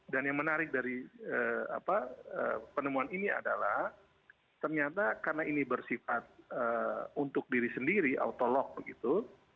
dan yang menarik dari penemuan ini adalah ternyata karena ini bersifat untuk diri sendiri autolog begitu